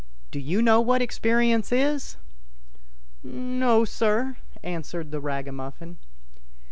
Do you know what experience is ?"" No, sir," answered the ragamuffin.